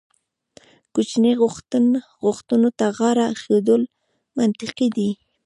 کوچنۍ غوښتنو ته غاړه ایښودل منطقي دي.